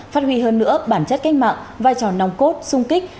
phát huy hơn nữa bản chất cách mạng vai trò nòng cốt sung kích